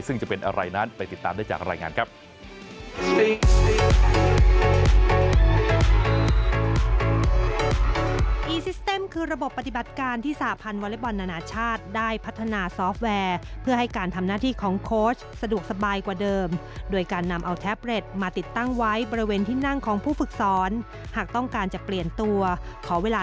ซึ่งจะเป็นอะไรนั้นไปติดตามได้จากรายงานครับ